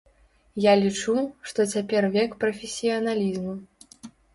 Я лічу, што цяпер век прафесіяналізму.